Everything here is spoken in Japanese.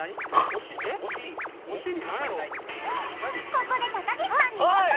ここで高岸さんに問題！